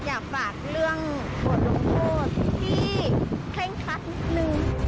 อยากฝากเรื่องบทลงโทษที่เคร่งครัดนิดนึง